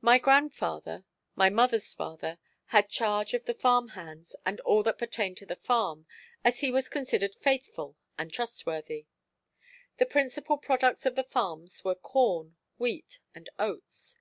My grandfather (my mother's father) had charge of the farm hands and all that pertained to the farm, as he was considered faithful and trustworthy. The principal products of the farms were corn, wheat and oats.